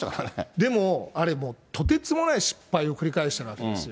でもあれもう、とてつもない失敗を繰り返してるわけですよ。